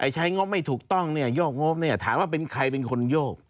ใช้งบไม่ถูกต้องเนี่ยโยกงบเนี่ยถามว่าเป็นใครเป็นคนโยก